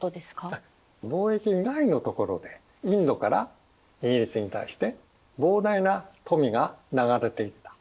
貿易以外のところでインドからイギリスに対して膨大な富が流れていった。